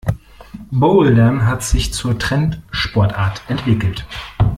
Bouldern hat sich zur Trendsportart entwickelt.